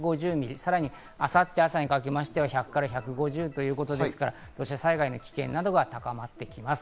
さらに明後日の朝にかけては１００から１５０ということで土砂災害の危険度などが高まっています。